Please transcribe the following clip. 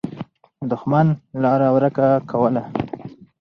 دښمن لاره ورکه کوله.